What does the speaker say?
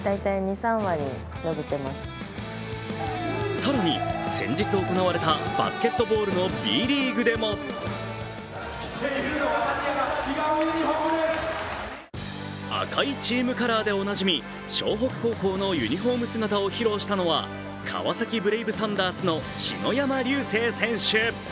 更に先日行われたバスケットボールのＢリーグでも赤いチームカラーでおなじみ湘北高校のユニフォーム姿を披露したのは川崎ブレイブサンダースの篠山竜青選手。